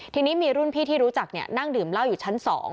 ทีนี้มีรุ่นพี่ที่รู้จักนั่งดื่มเหล้าอยู่ชั้น๒